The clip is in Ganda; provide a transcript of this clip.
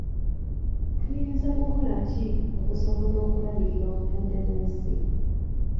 Tuyinza kukola ki okusobola okulabirira obutonde bw'ensi?